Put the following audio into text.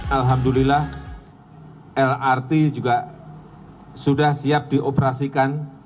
alhamdulillah lrt juga sudah siap dioperasikan